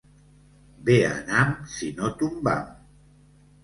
Bé anam si no tombam.